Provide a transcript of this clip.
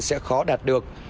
sẽ khó đạt được